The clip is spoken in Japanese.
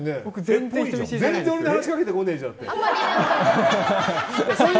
全然、話しかけてこねえじゃん。